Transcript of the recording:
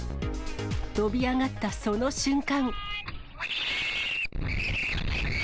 飛び上がったその瞬間。